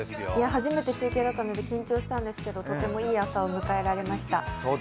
初めて中継だったので緊張したんですけども、とてもいい朝を迎えられました。